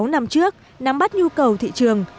sáu năm trước nắm bắt nhu cầu thị trường